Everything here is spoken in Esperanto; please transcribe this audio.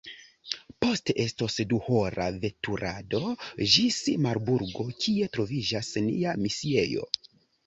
Poste estos duhora veturado ĝis Marburgo, kie troviĝas nia misiejo.